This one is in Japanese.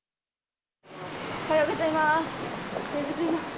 おはようございます。